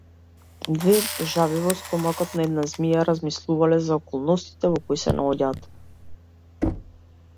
Две жаби во стомакот на една змија размислувале за околностите во кои се наоѓаат.